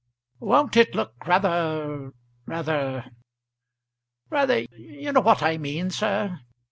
"Won't it look rather, rather rather ; you know what I mean, sir?"